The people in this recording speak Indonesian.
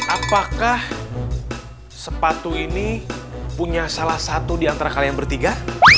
apakah sepatu ini punya salah satu di antara kalian bertiga